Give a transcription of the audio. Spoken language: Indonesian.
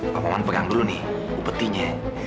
pak maman pegang dulu nih upetinya